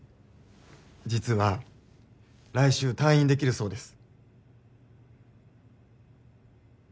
実は来週退院できるそうです。